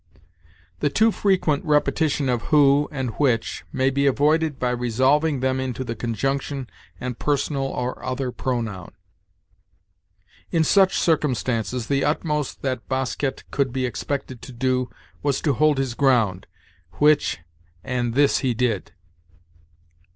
"The too frequent repetition of 'who' and 'which' may be avoided by resolving them into the conjunction and personal or other pronoun: 'In such circumstances, the utmost that Bosquet could be expected to do was to hold his ground, (which) and this he did.'"